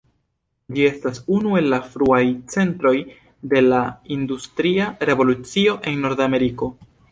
Ĝi estas unu el la fruaj centroj de la Industria Revolucio en Nordameriko.